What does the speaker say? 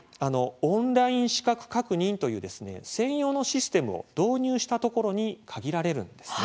オンライン資格確認という専用のシステムを導入したところに限られるんですね。